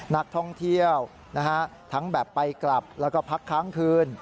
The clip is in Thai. นักท่องเที่ยวทั้งแบบไปกลับแล้วก็พักค้างคืน